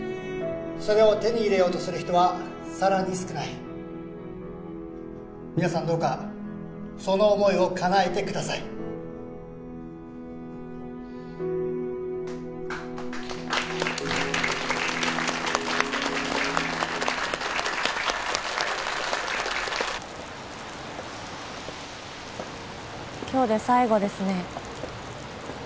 それを手に入れようとする人はさらに少ない皆さんどうかその思いをかなえてください今日で最後ですね